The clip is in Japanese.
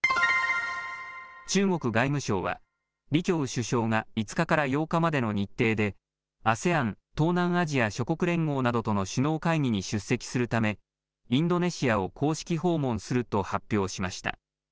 中国外務省は、李強首相が５日から８日までの日程で、ＡＳＥＡＮ・東南アジア諸国連合などとの首脳会議に出席するため、インドネシアを公式訪問すると発表しました。